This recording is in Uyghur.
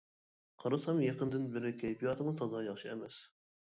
قارىسام يېقىندىن بىرى كەيپىياتىڭىز تازا ياخشى ئەمەس.